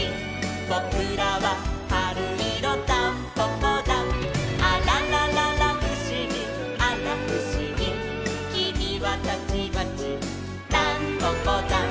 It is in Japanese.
「ぼくらははるいろタンポポだん」「あららららふしぎあらふしぎ」「きみはたちまちタンポポだん」